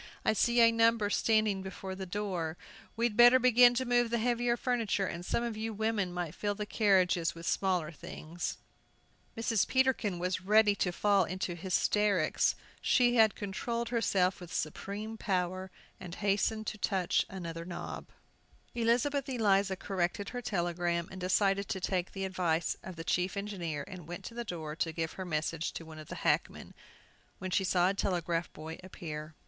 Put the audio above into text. I see a number standing before the door. We'd better begin to move the heavier furniture, and some of you women might fill the carriages with smaller things." Mrs. Peterkin was ready to fall into hysterics. She controlled herself with a supreme power, and hastened to touch another knob. Elizabeth Eliza corrected her telegram, and decided to take the advice of the chief engineer and went to the door to give her message to one of the hackmen, when she saw a telegraph boy appear.